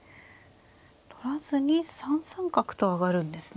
取らずに３三角と上がるんですね。